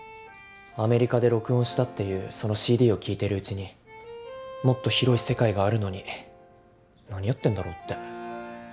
アメリカで録音したっていうそのＣＤを聴いてるうちにもっと広い世界があるのに何やってんだろって。